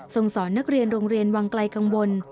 สอนนักเรียนโรงเรียนวังไกลกังวล